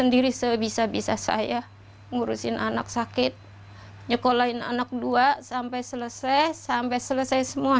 diri sebisa bisa saya ngurusin anak sakit nyekolahin anak dua sampai selesai sampai selesai semua